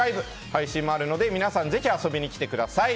配信もあるので皆さんぜひ遊びに来てください。